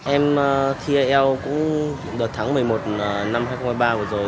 em thi ielts cũng đợt thắng một mươi một năm hai nghìn một mươi ba rồi rồi